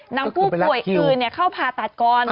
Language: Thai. นำผู้ป่วยอื่นเข้าผ่าตัดก่อน